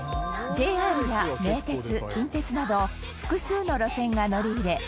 ＪＲや、名鉄、近鉄など複数の路線が乗り入れ